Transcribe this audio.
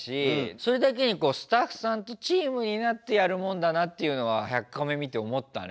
それだけにスタッフさんとチームになってやるもんだなっていうのは「１００カメ」見て思ったね。